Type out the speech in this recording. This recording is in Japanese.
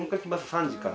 ３時から。